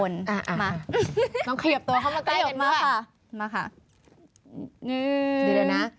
อย่าต้องเขียบตัวเข้ามาใต้ได้มากค่ะ